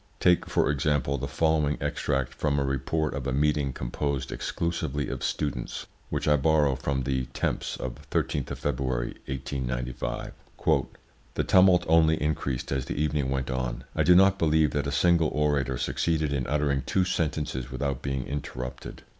Take, for example, the following extract from a report of a meeting composed exclusively of students, which I borrow from the Temps of 13th of February, 1895: "The tumult only increased as the evening went on; I do not believe that a single orator succeeded in uttering two sentences without being interrupted.